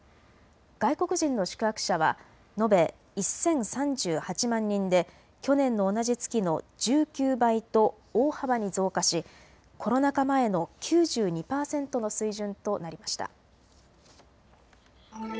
外国人の宿泊者は延べ１０３８万人で去年の同じ月の１９倍と大幅に増加しコロナ禍前の９２％の水準となりました。